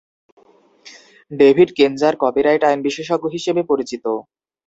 David Kenzer copyright আইন বিশেষজ্ঞ হিসেবে পরিচিত।